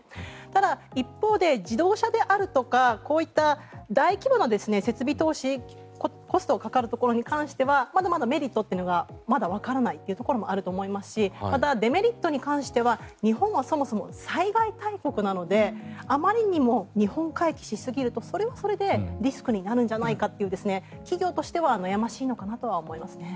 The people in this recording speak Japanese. ただ、一方で自動車であるとかこういった大規模な設備投資コストがかかるところはまだまだメリットというのがわからないというのがあると思いますしデメリットに関しては日本はそもそも災害大国なのであまりにも日本回帰しすぎるとそれはそれでリスクになるんじゃないかという企業としては悩ましいのかなと思いますね。